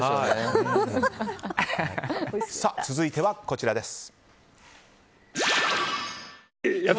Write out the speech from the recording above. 続いては、こちらです。